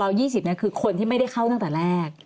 ๒๐เนี่ยคือคนที่ไม่ได้เข้าตั้งแต่แรก